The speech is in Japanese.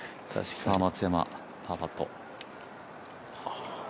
松山パーパット。